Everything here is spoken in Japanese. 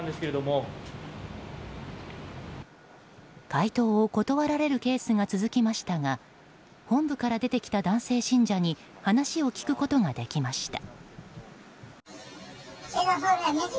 回答を断られるケースが続きましたが本部から出てきた男性信者に話を聞くことができました。